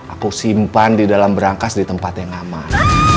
aku simpan di dalam berangkas di tempat yang aman